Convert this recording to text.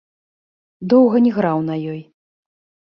Доўга не граў на ёй.